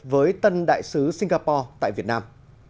với tân đại sứ singapore tại việt nam